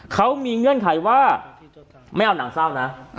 เขามีเงื่อนไขว่าไม่เอาหนังเศร้านะ